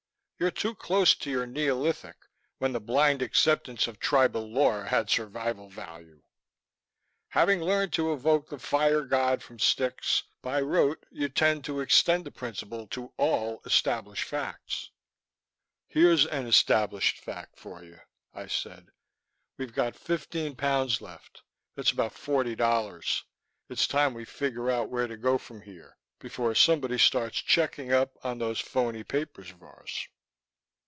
You're too close to your Neolithic, when the blind acceptance of tribal lore had survival value. Having learned to evoke the fire god from sticks, by rote, you tend to extend the principle to all 'established facts.'" "Here's an established fact for you," I said. "We've got fifteen pounds left that's about forty dollars. It's time we figure out where to go from here, before somebody starts checking up on those phoney papers of ours."